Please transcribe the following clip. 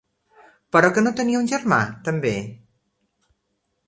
Però que no tenia un germà, també?